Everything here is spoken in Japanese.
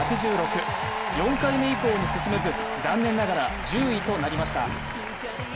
４回目以降に進めず残念ながら１０位となりました。